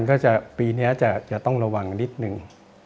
ก็จะปีนี้จะต้องระวังนิดนึง